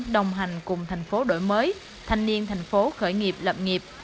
đồng hành cùng thành phố đổi mới thanh niên thành phố khởi nghiệp lập nghiệp